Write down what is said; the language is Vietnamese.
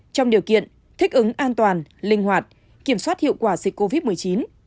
trong điều kiện thích ứng an toàn linh hoạt kiểm soát hiệu quả dịch covid một mươi chín